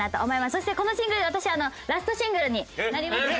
そしてこのシングル私ラストシングルになりますので。